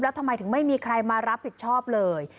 แล้วทำไมถึงไม่มีใครมารับผิดชอบเลย